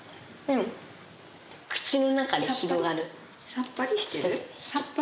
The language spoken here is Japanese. さっぱりしてる？